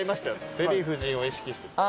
デヴィ夫人を意識して。